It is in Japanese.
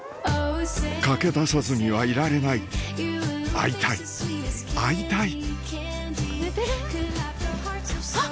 駆け出さずにはいられない会いたい会いたい